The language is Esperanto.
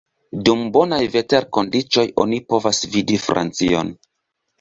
Dum bonaj veterkondiĉoj oni povas vidi Francion.